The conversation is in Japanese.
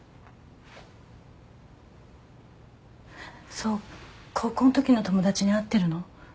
想高校のときの友達に会ってるの？